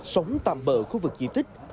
sống tạm bỡ khu vực di tích